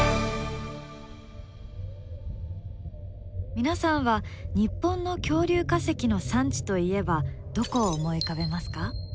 皆さんは日本の恐竜化石の産地といえばどこを思い浮かべますか？